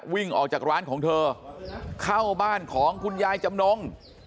วิ่งออกจากร้านของเธอเข้าบ้านของคุณยายจำนง